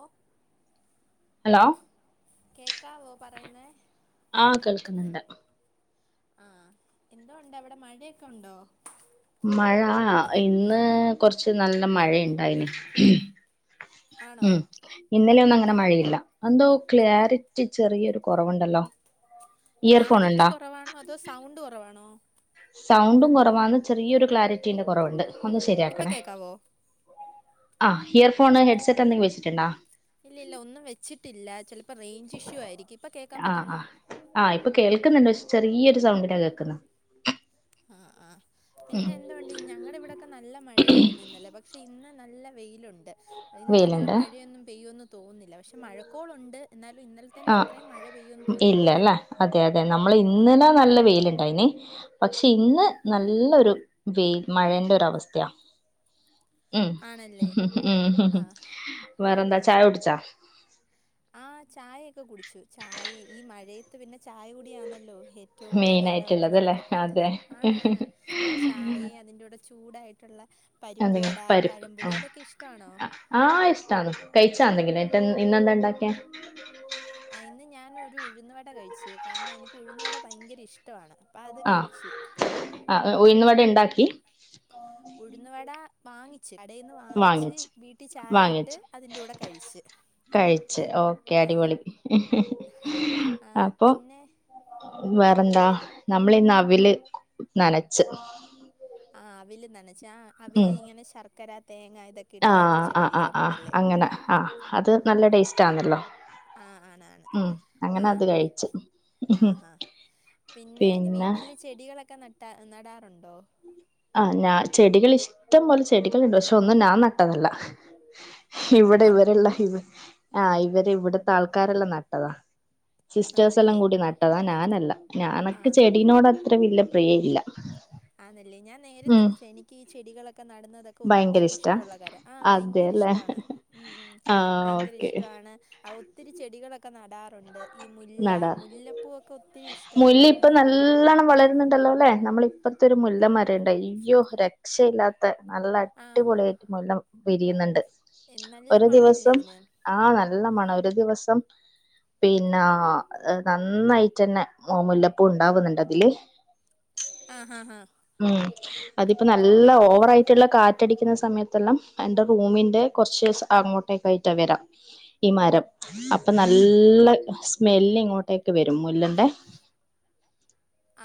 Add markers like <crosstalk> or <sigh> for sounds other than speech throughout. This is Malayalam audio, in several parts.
ഓഹ് ഹലോ കേക്കാവോ പറയുന്നേ ആഹ് കേൾക്കുന്നുണ്ട് ആഹ് എന്തൊണ്ട് അവിടെ മഴയൊക്കെ ഉണ്ടോ മഴ ഇന്ന് കൊർച്ച് നല്ല മഴണ്ടായിന് ആണോ ഉം ഇന്നലെ ഒന്നും അങ്ങനെ മഴയില്ല എന്തോ ക്ലാരിറ്റി ചെറിയൊരു കൊറവുണ്ടല്ലോ ക്ലാരിറ്റി കൊറവാണോ അതോ സൗണ്ട് കൊറവാണോ സൗണ്ടും കൊറവാന്ന് ചെറിയൊരു ക്ലാരിറ്റീന്റെ കൊറവുണ്ട് ഒന്ന് ഇപ്പൊ ശരിയാക്കണേ കേക്കാവോ ആഹ് ഹിയർ ഫോണ് ഹെഡ്സെറ്റ് എന്തെങ്കിലും വെച്ചിട്ടുണ്ടോ ഇല്ല ഇല്ല ഒന്നും വെച്ചിട്ടില്ല ചിലപ്പോ റേഞ്ച് ഇഷ്യൂ ആയിരിക്കും ഇപ്പൊ കേൾക്കാൻ ആഹ് പറ്റുന്നോ ആഹ് ആഹ് ഇപ്പൊ കേൾക്കുന്നുണ്ട് പക്ഷേ ചെറിയൊരു സൗണ്ടിനാ കേൾക്കുന്നത് ആഹ് ആഹ് ഉം പിന്നെ എന്ത എന്തോണ്ട് ഞങ്ങൾടെ ഇവിടെയൊക്കെ നല്ല മഴയായിരുന്നു ഇന്നലെ പക്ഷെ ഇന്ന് നല്ല വെയിലുണ്ട് ഇന്നധികം വെയിലുണ്ട് മഴയൊന്നും പെയ്യൊന്നും തോന്നുന്നില്ല പക്ഷെ മഴക്കോളുണ്ട് എന്നാലും ഇന്നല ആഹ് ഇല്ലല്ലേ അതെ അതെ നമ്മൾ ഇല്ല ഇന്നല നല്ല വെയിലുണ്ടായിന് പക്ഷെ ഇന്ന് നല്ലൊരു വെൽ മഴേന്റെ ഒരവസ്ഥയാ ഉം ആണല്ലേ ഉം ആഹ് വേറെന്താ ചായ കുടിച്ചാ ആഹ് ചായൊക്കെ കുടിച്ചു ചായെ ഈ മഴയത്ത് പിന്നെ ചായ കുടിയാണല്ലോ ഏ റ്റവും മെയിൻ പ്രധാനായിട്ട് ആയിട്ടുള്ളതല്ലേ നമുക്കൊക്കെ ഉള്ളത് അതെ ആണ് ആണ് ചായേം അതിന്റെ കൂടെ ചൂടായിട്ട് ട്ടുള്ള എന്തെങ്കിലും പരിപ്പുവട പരിപ്പ് പഴംപൊരി ആഹ് അതൊക്കെ ഇഷ്ടാണോ ആഹ് ഇഷ്ട്ടാണ് കഴിച്ച എന്തെങ്കിലും ആയിട്ട് ഇന്നെന്താ ഉണ്ടാക്കിയെ ആഹ് ഇന്ന് ഞാനൊരു ഉഴുന്ന്‌ വട കഴിച്ചു കാരണം എനിക്ക് ഉഴുന്നുവട ഭയങ്കര ഇഷ്ടവാണ് അപ്പം അത് ആഹ് കഴിച്ച് ആഹ് ഉഴുന്ന് വട ഇണ്ടാക്കി ഉഴുന്നുവട വാങ്ങി കടേന്ന് വാങ്ങിച്ച് വീട്ടിൽ ചായ ഇട്ട് വാങ്ങിച്ച് അതിന്റെ കൂടെ കഴിച്ച്‌ കഴിച്ച് ഓക്കെ അടിപൊളി ആ ആ അപ്പൊ പിന്നെ വേറെന്താ നമ്മളിന്ന് അവില് നനച്ച് ആഹ് അവിൽ നനച്ച് ആഹ് ഉം അവില് ഇങ്ങനെ ശർക്കര തേങ്ങ ഇതൊക്കെ ഇട്ട് ആഹ് നനച്ച് ആഹ് ആഹ് ആഹ് കഴിക്കാറുണ്ടല്ലേ അങ്ങനെ ആഹ് അത് നല്ല ടേസ്റ്റ് ആന്നല്ലോ ആ ആണാണ് ഉം അങ്ങനെ ആ അത് കഴിച്ച് ആ ഹാ പിന്നെ വീട്ടില് ചെടികളൊക്കെ നട്ടാ നടാറുണ്ടോ ആഹ് ഞാൻ ചെടികൾ ഇഷ്ടം പോലെ ചെടികളുണ്ട് പക്ഷെ ഒന്നും ഞാൻ നട്ടതല്ല ഇവിടെ അം ഇവരെല്ല ഇവ ആഹ് ഇവര് ഇവിടത്തെ ആൾക്കാരെല്ലാം നട്ടതാ സിസ്റ്റേഴ്സ് എല്ലാം ആണല്ലേ കൂടി നട്ടതാ ഞാനല്ല ഞാ ആ എനക്ക് ചെടിനോട് അത്ര വല്യ പ്രിയ ഇല്ല ആന്ന്ല്ലേ ഞാൻ നേരെ ഉം തിരിച്ച എനിക്ക് ഈ ചെടികളൊക്കെ നട്ന്നതൊക്കെ ഭയങ്കര ഒത്തിരി ഇഷ്ടാ ഇഷ്ട്ടൊള്ള കാര്യാ ആഹ് ഭയങ്കര അതെല്ലേ ഇഷ്ടാണ് ഉം ഉം ആഹ് ഭയങ്കര ഓക്കെ ഇഷ്ടാണ് അത്‌ ഒത്തിരി ചെടികളൊക്കെ നടാറുണ്ട് ഈ മുല്ല നടാറ് മുല്ലപ്പൂവൊക്കെ ഒത്തിരി ഇഷ്ടാണ് അപ്പൊ മു നല്ലോണം വളരുന്ന്ണ്ടല്ലോ ല്ലെ നമ്മളെ ഇപ്പറ്ത്തെ ഒരു മുല്ലമരം ഇണ്ടേനി അയ്യോ രക്ഷയില്ലാത്ത നല്ല ആ അടിപൊളി ആയിട്ട് മൂല്ല വിരിയുന്നുണ്ട് എ- നല്ല ഒരു മണമല്ലേ ദിവസം അതിന് ആഹ് നല്ല മണം ഒരു ദിവസം പിന്ന ആഹ് നന്നായിട്ടെന്നെ മുല്ലപ്പൂ ഇണ്ടാവുന്നുണ്ട് അതില് ആഹ് ഹാ ഹാ ഉം അതിപ്പോ നല്ല ഓവറായിട്ട ട്ട്ള്ള കാറ്റടിക്കുന്ന സമയത്തെല്ലാം എന്റെ റൂമിന്റെ കുറച്ച് അങ്ങോട്ടേക്കായിട്ടാ വരാ ഈ മരം അപ്പൊ നല്ല സ്മെല്ല് ഇങ്ങോട്ടേക്ക് വരും മുല്ലന്റെ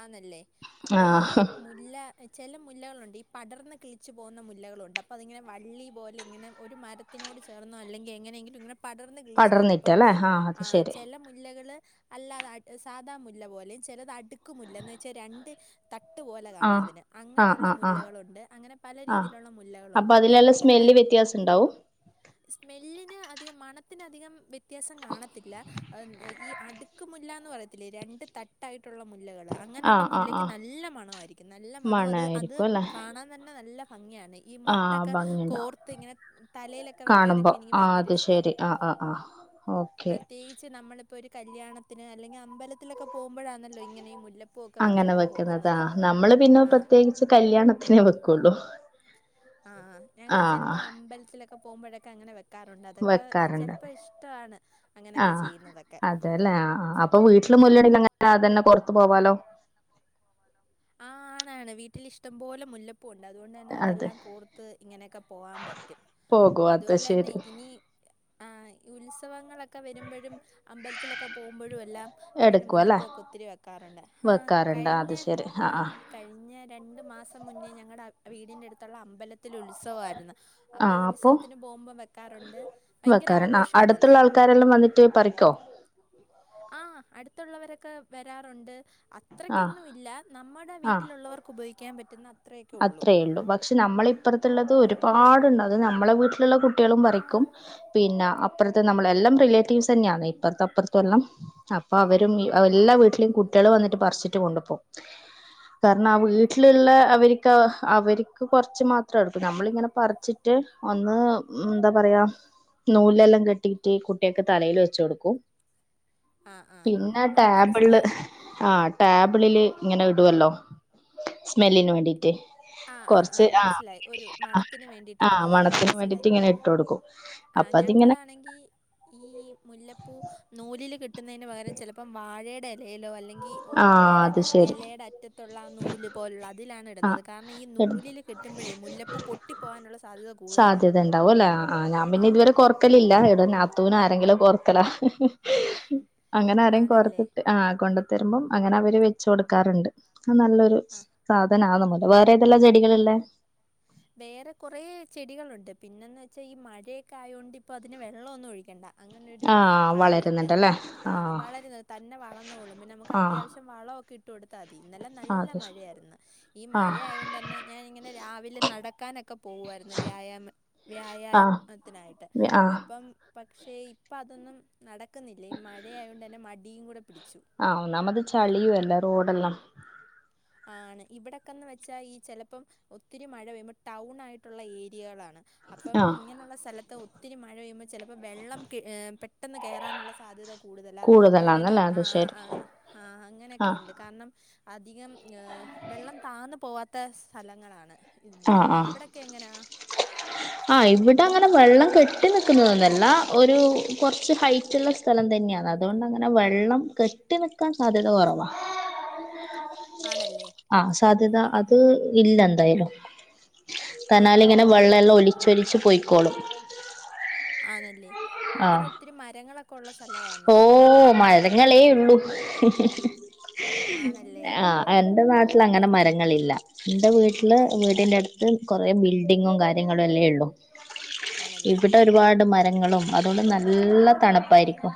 ആന്നല്ലേ അപ്പൊ ഈ ആ മു മുല്ല ചെല മുല്ലകളുണ്ട് ഈ പടർന്ന് കിളിച്ച് പോകുന്ന മുല്ലകളുണ്ട് അപ്പ അതിങ്ങനെ വള്ളി പോലെ ഇങ്ങനെ ഒരു മരത്തി ത്തിനോട് ചേർന്നോ അല്ലെങ്കിൽ എങ്ങനെങ്കിലും ഇങ്ങനെ പടർന്ന് കിളിച്ചുവരും അപ്പൊ പടർന്നിട്ടല്ലേ അത് അത് ആഹ് ശരി ചെല മുല്ലകള് അല്ലാതെ സാധാ മുല്ല പോലേം ചിലത് അടുക്ക്‌ മുല്ല എന്ന് വെച്ചാ രണ്ട് ത ട്ട്പോലെ കാണും ആഹ് അതിന് ആഹ് അങ്ങനെയുള്ള ആഹ് ആഹ് മുല്ലകളൊണ്ട് അങ്ങന പല രീതിയിലുള്ള മുല്ലകളുണ്ട് അപ്പോ എനിക്കിത് ല് ഭയങ്കര വ്യത്യാസംണ്ടാവും സ്മെല്ലിന് അധികം മണത്തിന് അധികം വ്യത്യാസം കാണത്തില്ല ഈ അടു ക്ക്‌ മുല്ല എന്ന് പറയത്തില്ലേ രണ്ട് തട്ടായിട്ടുള്ള മുല്ലകൾ അങ്ങനെയുള്ള ആഹ് ആഹ് മുല്ലയ്ക്ക് ആഹ് നല്ല മണം ആയിരിക്കും നല്ല മണം അത് അത് മണായിരിക്കും അല്ലെ കാണാൻ തന്നെ നല്ല ഭംഗിയാന്നെ ഈ ആഹ് മൊട്ടൊക്കെ ഭംഗിയുണ്ടാവും കോർത്ത് ഇങ്ങനെ തലയിലൊക്കെ കാണുമ്പോ വെക്കാനൊക്കെ എനിക്ക് ആഹ് ഭയങ്കര അത് ഇഷ്ട ശരി ആഹ് ആഹ് ആഹ് ഓക്കെ നമ്മള് ഇപ്പോ ഒരു കല്യാണത്തിന് അല്ലെങ്കിൽ അമ്പലത്തിലൊക്കെ പോകുമ്പോഴാന്നല്ലോ ഇങ്ങനെയീ മുല്ല അങ്ങനെ വെക്കുന്നത് നമ്മള് പിന്നെ ആ പ്രത്യേകിച്ച് കല്യാണത്തിനെ വെക്കുള്ളു ആഹ് ഞങ്ങള് ചെലപ്പോ അമ്പലത്തിലൊക്കെ ഒക്കെ പോകുമ്പോഴൊക്കെ അങ്ങനെ വെക്കാറുണ്ട് അതൊക്കെ വെക്കാറുണ്ട് ചെലപ്പോൾ ഇഷ്ടാണ് അങ്ങനെയൊക്കെ ചെയ്യണതൊക്കെ അതല്ലേ അപ്പൊ വീട്ടില് മുല്ലണൽ അങ്ങനെ അതന്നെ പൊറത്ത് പോവാലോ ആഹ് ആണാണ് വീട്ടിൽ ഇഷ്ടം പോലെ മുല്ലപ് പുവ്ണ്ട് അതുകൊണ്ട് തന്നെ അതെ അതെല്ലാം കോർത്ത് ഇങ്ങനെയൊക്കെ പോകാൻ പറ്റും പോകും അത് അതുപോലെന്നെ ശരി ഇനി ആഹ് ഉത്സവങ്ങളൊക്കെ ഒക്കെ വരുമ്പോഴും അമ്പലത്തിലൊക്കെ പോകുമ്പോഴും എല്ലാം ഇങ്ങനെ എടുക്കും അല്ലെ മുല്ലപ്പൂവക്കെ ഒത്തിരി വെക്കാറുണ്ട് ഹ വെക്കാറുണ്ട് കഴിഞ്ഞ അത് ശരി ആഹ് കഴിഞ്ഞ രണ്ടു മാസം മുന്നേ ഞങ്ങടെ വീടിന്റെ അടുത്തുള്ള അമ്പലത്തിൽ ഉത്സവാരുന്നു അപ്പൊ ഉത്സവത്തിന് പോകുമ്പം വെക്കാറുണ്ട് ഭയങ്കര വെക്കാറുണ്ട് ആഹ് ആഘോഷാണത് അടുത്തുള്ള <unintelligible> പറിക്കോ ആഹ് അടുത്തുള്ളവരൊക്കെ വരാറുണ്ട് അ ആഹ് അത്രക്കൊന്നു ഇല്ല നമ്മുടെ വീട്ടിലുള്ളവർക്ക് ഉപയോഗിക്കാൻ പറ്റുന്ന അത്രയൊക്കെ ഉള്ളൂ അത്രേയുള്ളു ബാ പക്ഷെ നമ്മള ഇപ്പുറത്തുള്ളത് ഒരുപാടുണ്ട് അത് നമ്മളെ വീട്ട്ള്ള കുട്ടികളും പറിക്കും പിന്നെ അപ്പുറത്ത് നമ്മളെ എല്ലാം റിലേറ്റീവ്സ് തന്നെയാണ് ഇപ്പറത്തെ അപ്പുറത്തും എല്ലാം അപ്പൊ അവരും എല്ലാ വീട്ട്ലെ കുട്ടികള് വന്നിട്ട് പറിച്ചിട്ട് കൊണ്ടുപോകും കാരണം ആ വീട്ടിലുള്ള അവരി ക്ക അവര് ക്ക് കൊറച്ച് മാത്രം എടുത്ത് നമ്മളിങ്ങനെ പറിച്ചിട്ട് ഒന്ന് എന്താ പറയാ നൂലിലെല്ലാം കെട്ടിയിടറ്റ് കുട്ട്യാക്ക് തലയിൽ വെച്ച് കൊടുക്കും ആ ആ പിന്നെ ആ ടാബിള്ല് മനസ്സിലായി ആഹ് ടാബിളില് ഇങ്ങനെ ഇടുല്ലോ സ്മെല്ലിന് വേണ്ടീട്ട് ആഹ് ആഹ് ആ മനസ്സിലായി ഒരു മണത്തിന് വേണ്ടിയിട്ട് ഇടുന്നത് ആ മണത്തിന് വേണ്ടിട്ട് മനസ്സിലായി ഇങ്ങനെ ഇട്ട് കൊടുക്കും അപ്പൊ ആഹ് അതിങ്ങനെ ഞങ്ങളാണെങ്കിൽ ഈ മുല്ലപ്പൂ നൂലില് കിട്ടുന്നതിന് പകരം ചെലപ്പോം വാഴേടെ ഇലയിലോ അല്ലെങ്കിൽ ആ ഓലയുടെ അത് ശരി ഇലയുടെ അറ്റത്തുള്ള നൂല് പോലുള്ള അതിലാണ് ആ ഇടുന്നത് കാരണം ഈ ഇടും. നൂലില് കെട്ടുമ്പോഴേ മുല്ലപ്പ് പൊട്ടി പോകാനുള്ള സാധ്യത കൂടുതലാ ആഹ് ആഹ് ഞാൻ പിന്നെ ഇതുവരെ കോർക്കലില്ല ഈട ഞാത്തൂനോ ആരെങ്കിലും കോർക്കലാ ഏഹ് ഉം, അങ്ങനെ ആരെ ആണല്ലേ കോർത്തിട്ട് ആഹ് കൊണ്ട തരുമ്പം അങ്ങനെ അവര് വെച്ച കൊടുക്കാറുണ്ട് അ നല്ലൊരു ആ <unintelligible> വേറെ തെല്ലാം ചെടികള്ല്ലേ വേറെ കുറേ ചെടികളുണ്ട് പിന്നെന്ന് വെച്ചാൽ ഈ മഴയൊക്കെ ആയതൊണ്ട് ഇപ്പോൾ അതിന് വെള്ളമൊന്നും ഒഴിക്കേണ്ട അങ്ങനൊരു ആ കാര്യ ഉണ്ട് വളരുന്നുണ്ടല്ലേ ആ ആഹ് വളരുന്നു തന്നെ വളന്നോളും പിന്നെ നമുക്ക് ആഹ് അത്യാവശ്യം വളമൊക്കെ ഇട്ട് കൊടുത്താൽ മതി ഇന്നലെ നല്ല അതെ മഴയാരുന്നു ഈ ആഹ് മഴയാകൊണ്ടന്നെ ഞാനിങ്ങനെ രാവിലെ നടക്കാനൊക്കെ പോവുമായിരുന്നു വ്യായാമ ആഹ് വ്യായാമത്തിനായിട്ട് ആഹ് അപ്പം പക്ഷേ ഇപ്പം അതൊന്നും നടക്കുന്നില്ലേ മഴയായകൊണ്ട് തന്നെ മടിയും കൂടെ പിടിച്ചു ആ ഒന്നാമ്മത് ചളിയും അല്ല റോഡല്ലാം ആണ് ഇവിടെക്കെന്ന് വെച്ചാൽ ഈ ചെലപ്പം ഒത്തിരി മഴ പെയ്യുമ്പം ടൗൺ ആയിട്ടുള്ള ഏരിയകളാണ് അപ്പം ആഹ് ഇങ്ങനെയുള്ള സ്ഥലത്ത് ഒത്തിരി മഴ പെയ്യ്മ്പം ചിലപ്പോൾ വെള്ളം പെട്ടെന്ന് കേറാനുള്ള സാധ്യത കൂടുതലാ അതുപോലെനി കൂടുതലാന്നല്ലേ അത് ശരി ആഹ് ആഹ് അങ്ങനെയൊക്കെ ആഹ് ഉണ്ട് കാരണം അധികം ഏഹ് വെള്ളം താന്ന് പോവാത്ത സ്ഥലങ്ങളാണ് ആഹ് ഇതെല്ലാം ആഹ് അവിടെ ക്കെങ്ങനാ ആഹ് ഇവിടെ അങ്ങനെ വെള്ളം കെട്ടി നിൽക്കുന്നതൊന്നല്ല ഒരു കുറച്ച് ഹൈറ്റ്ള്ള സ്ഥലം തന്നെയാണ് അതുകൊണ്ട് അങ്ങനെ വെള്ളം കെട്ടി നിൽക്കാൻ സാധ്യത കൊറവാ ആണല്ലേ ആഹ് സാധ്യത ആ അത് ഇല്ല എന്തായാലും ആ ആ തന്നാലിങ്ങനെ വെള്ളം എല്ലാം ഒലിച്ചൊലിച്ച്ലിച്ച് പോയ്ക്കോളും ആണല്ലേ അവിടെ ഒത്തിരി മരങ്ങളൊക്കെ ഉള്ള സ്ഥലവാ ഓഹ് മരങ്ങളേ ഉള്ളുഹ് ഹ് ആണല്ലേ ആഹ് എന്റെ നാട്ടിൽ അങ്ങനെ മരങ്ങളില്ല എന്റെ വീട്ടില് ആ വീടിൻ്റെ അടു കൊറേ ബിൽഡിങ്ങും കാര്യങ്ങളും അല്ലേള്ളൂ ആണല്ലേ ഇവിടെ ഒരുപാട് മര ളും അതോണ്ട് നല്ല തണ്പ്പായിരിക്കും.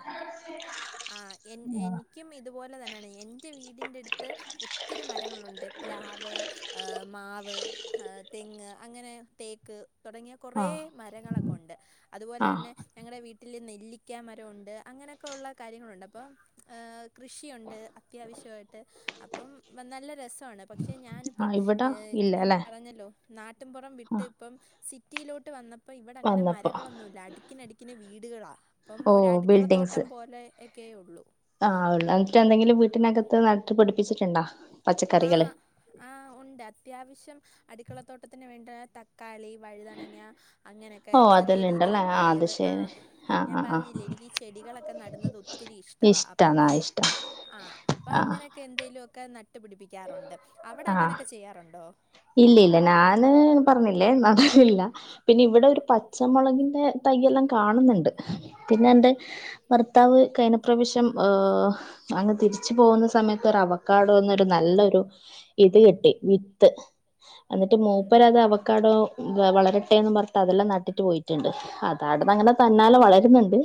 ആഹ് എൻ എനിക്കും ഇതുപോലെ തന്നാണ് എൻറെ വീടിന്റെടുത്ത്. ഒത്തിരി മരങ്ങളുണ്ട് പ്ലാവ്, ആഹ് മാവ്. ആഹ് തെങ്ങ്, അങ്ങനെ തേക്ക്. തൊടങ്ങിയ കുറേ ആഹ് മരങ്ങളൊക്കെ ഒണ്ട് അതുപോലെ ആഹ് തന്നെ ഞങ്ങടെ വീട്ടി ട്ടില് നെല്ലിക്കാ മരം ഒണ്ട് അങ്ങനൊക്ക ഒള്ള. കാര്യങ്ങളുണ്ട് അപ്പോം ആഹ് കൃഷിയുണ്ട് അത്യാവശ്യായിട്ട് അപ്പം നല്ല രസ സൊ ആണ് പക്ഷെ ഞാനിപ്പം ആഹ് ഇവിടെ ഇല്ല ഞാൻ അല്ലെ പറഞ്ഞല്ലോ നാട്ടിൻപുറം വിട്ട് ആഹ് ഇപ്പം സിറ്റി. റ്റീലോട്ട് വന്നപ്പോ ഇവിടെ അങ്ങനെ വന്നപ്പോ മരങ്ങളൊന്നൂല്ല അടുക്കിനടുക്കിന് വീടുകളാ. ഇപ്പം ഓ ഒരു അടുക്കളത്തോട്ടം ബിൽഡിങ്സ് പോലെ ഒക്കെയൊള്ളൂ. ആഹ് ഉള്ളെ ഐറ്റ എന്തെങ്കിലും വീട്ടിനകത്ത് നട്ട് പിടിപ്പിച്ചിട്ട്ണ്ടാ. ആഹ്. ആഹ് ഉണ്ട് അത്യാവശ്യം അട്ക്കളത്തോട്ടത്തിന് വേണ്ട തക്കാളി, വഴുതനങ്ങ. അങ്ങനെക്കെ ഓ ചെറിയ അതെല്ലാം ഉണ്ടല്ലേ രീതീല് ആഹ് അത് പയറ് ശരി ആഹ് ആഹ് ഞാൻ ആഹ് ആഹ് പറഞ്ഞില്ലെ എനിക്കീ ചെടികളൊക്കെ നടുന്നത് ഒത്തിരി ഇഷ്ട ഇഷ്ട്ടാ ന്നാ ഇഷ്ട്ടാ ആഹ് അപ്പ അങ്ങനെയൊക്കെ എന്തേലൊക്കെ നട്ടുപിടിപ്പിക്കാറുണ്ട് അവിടെ അങ്ങനൊക്കെ ചെയ്യാറുണ്ടോ. ഇല്ലില്ല നാന് പറഞ്ഞില്ലേ അതറിയില്ലാ. പിന്നെ ഇവിടെ ഒരു പച്ചമൊളകിന്റെ തയ്യെല്ലാം കാണുന്ന്ണ്ട് പിന്നെ എന്റെ. ഭർത്താവ് കഴിനപ്രാവശ്യം ആഹ്. അങ്ങ് തിരിച്ചു പോവുന്ന സമയത്തൊരു അവക്കാടോന്നൊരു നല്ലൊരു ഇത് കിട്ടി വിത്ത്. എന്നിട്ട് ഉം മൂപ്പരത് അവക്കാടോ. വളരട്ടെന്ന് പറഞ്ഞ്ട്ട് അതെല്ലാം നട്ടിട്ട് പോയിട്ട്ണ്ട് അതാടന്ന് അങ്ങനെ തന്നാലെ വളരുന്നുണ്ട്.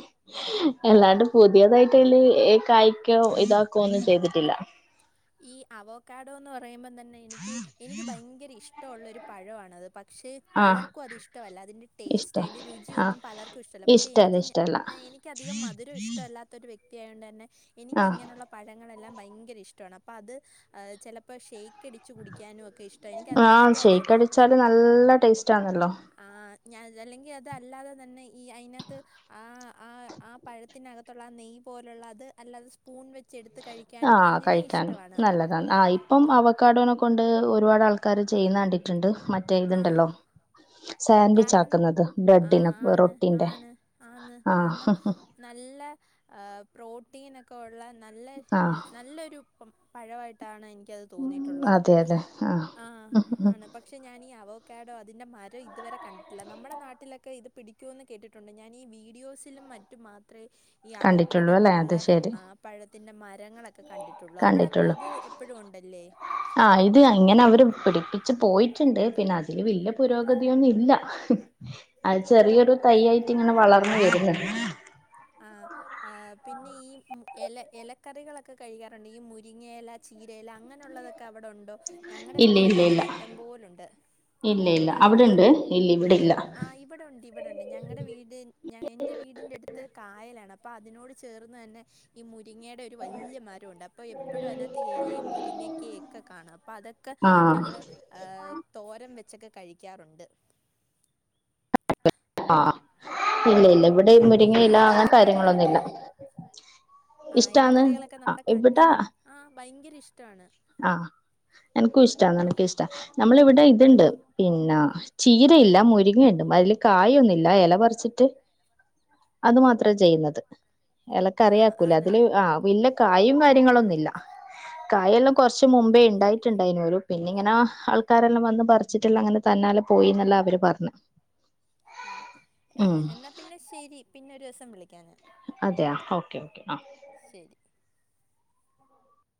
എല്ലാണ്ട് പുതിയതായിട്ടയ്ല് കായ്ക്കോ ഇതാക്കോ ഒന്നും ചെയ്തിട്ടില്ല. ഈ അവോക്കാഡോന്ന് പറയുമ്പം തന്നെ എനിക്ക് എനിക്ക് ഭയങ്കര ഇഷ്ടമുള്ള ഒരു പഴമാണത് പ ക്ഷേ ആഹ് പലർക്കും അത് ഇഷ്ടവല്ലാ അതിൻ്റെ ഇഷ്ട ടേസ്റ്റ് അതിൻ്റെ ആഹ് രുചിയൊന്നും പലർക്കും ഇഷ്ടല്ല പക്ഷേ എനിക്ക് ഞ എനി ക്ക അധികം മധുരം ഇഷ്ടവല്ലാത്ത ഒരു വ്യക്തിയായോണ്ടെന്നെ എനിക്ക് ആഹ് ഇങ്ങനെയുള്ള പഴങ്ങളെല്ലാം ഭയങ്കര ഇഷ് ട്ടവാണ് അപ്പ അത് ഹ് ചെലപ്പോ ഷൈ ക്കടിച്ചു കുടിക്കാനും ഒക്കെ ഇഷ്ട എനിക്ക് ആഹ് അതിനെക്കാട്ടി അത് ഷെയ്ക്ക് ഹ് ന്ന അടിച്ചാല് നല്ല ടേസ്റ്റ് ആണല്ലോ ആഹ് ഞാൻ അല്ലെങ്കി അതല്ലാതെ തന്നെ ഈ അയിനാത്ത്. ആഹ് ആഹ് ആ പഴത്തിനകത്തുള്ള ആ നെയ്യ് പോലുള്ള അത് അല്ലാതെ സ്പൂ പൂൺ വെച്ച് എടുത്ത് കഴിക്കാനും അങ്ങനെ. താണ് ഇഷ്ടമാണ് നല്ലതാണ് ആ ഇപ്പം അവക്കാഡോനെ കൊണ്ട് ഒരുപാട് ആൾക്കാര് ചെയ്യുന്ന കണ്ടിട്ടുണ്ട്. മറ്റെ ആ ഇത്ണ്ടല്ലോ. കാരണം സാൻവിച്ചാക്കുന്നത് ആ ബ്രെഡിന് ആണ് റൊട്ടിന്റെ ആണ് ആന്ന് ആഹ്. കാരണം നല്ല പ്രോട്ടീനൊക്കെ ഒള്ള നല്ല ആഹ് നല്ലൊരു. പ്പം പഴവായിട്ടാണ് എനിക്കത് തോന്നിയിട്ടുള്ളത് അതെ അതെ ആഹ് ആണ് പക് പക്ഷെ ഞാനീ അവോക്കാഡോ അതിന്റെ മരം ഇതുവരെ. കണ്ടിട്ടില്ല നമ്മുടെ നാട്ടിലൊക്കെ ഇത് പിടിക്കൂ ന്ന് കേട്ടിട്ടുണ്ട് ഞാനീ വീഡിയോസിലും മറ്റു മാത്രെ. ഈ കണ്ടിട്ടുള്ളൂ അവോക്കാഡോ അല്ലേ പോലുള്ള അത് ശരി ആഹ്. പഴത്തിൻ്റെ മരങ്ങളൊക്കെ കണ്ടിട്ടൊള്ളു അവിടൊക്കെ കണ്ടിട്ടുള്ളൂ അത് എപ്പഴും ഉണ്ടല്ലേ. ആഹ് ഇത് അങ്ങനെ അവര് പിടിപ്പിച്ച് പോയിട്ടിണ്ട് പിന്നെ അതില് വല്ല്യെ പുരോഗതിയൊന്നു ഇല്ല. അഹ് ചെറിയൊരു തയ്യായിട്ട് ഇങ്ങനെ വളർന്ന് വരുന്ന്ണ്ട് ആഹ്. ആഹ് പിന്നെ ഈമ് എല എലക്കറികളൊക്കെ കഴിക്കാറുണ്ടോ ഈ മുരിങ്ങയില, ചീരയില അങ്ങനുള്ളതൊക്കെ. ക്കെ അവിടുണ്ടോ. ഞങ്ങടെ ഇല്ല ഇല്ല വീട്ടിലൊക്കത് ഇല്ല ഇഷ്ടം പോലുണ്ട് ഇല്ല ഇല്ല ആണല്ലേ അവിടെണ്ട് ഇല്ല ആ ഇവിടെ ഇല്ല ആയിപ്പോ ഇവടൊണ്ട് ഇവടണ്ട് ഞങ്ങടെ വീട് ഞ എന്റെ വീടിന്റെ അടുത്ത്. ത്ത് കായലാണ് അപ്പ അതിനോട് ചേർന്ന് തന്നെ ഈ മുരിങ്ങയുടെ ഒരു വല്ല്യെ മരവുണ്ട് അപ പ്പൊ എപ്പഴും അയിനാത്ത് എലയും, മുരിങ്ങക്കേം എക്കെ കാണാ അപ്പൊ അതൊക്കെ ആഹ് ഞങ്ങള് അഹ് തോരൻ വച്ചൊക്കെ കഴിക്കാറുണ്ട്. ആഹ് ഇല്ല ഇല്ല ഇവിടെ കാരണം ഈ മുരിങ്ങില അങ്ങൻത്തെ കാര്യങ്ങളൊന്നുല്ല. ആഹ് എലക്കറിളൊക്കെ നമ്മുടെ കണ്ണിനും ആ ഭയങ്കര ഇഷ്ടാണ്. ആഹ് എനക്കും ഇഷ്ട എനക്കും ഇഷ്ട. നമ്മളെ ഇവിടെ ഇത്ണ്ട് പിന്നാ ചീരയില്ല മുരിങ്ങണ്ട് മതില് കായൊന്നില്ല എല പറിച്ചിട്ട് അത് മാത്രേ ചെയ്യുന്നത് ആ എലകറി ആക്കൂലെ ആണ് അതില് ആ ഇല്ല കായും കാര്യങ്ങളൊന്നുല്ല. കായെല്ലാം കൊർച്ച് മുമ്പേ ണ്ടായിട്ട്ണ്ടേയ്നു നോലു പിന്ന ഇങ്ങന ആൾക്കാരെല്ലാം വന്ന് പറ ച്ചിട്ട്ല്ലാ അങ്ങനെ തന്നാലെ പോയിന്നല്ല അവര് പർണ്. ആ എന്നാ പിന്നെ ശരി പിന്നെ ഒരുസം വിളിക്കാ ഞാൻ. അതെയോ ഓക്കെ ആഹ് ശരി.